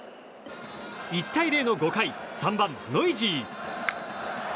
１対０の５回、３番ノイジー。